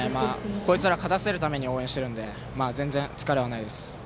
こいつら勝たせるために応援しているんで、全然疲れはないです。